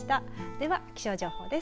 では、気象情報です。